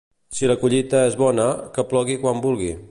Si la collita és bona, que plogui quan vulgui.